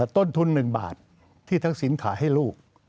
ต้นทุน๑บาทที่ทักษิณขายให้ลูก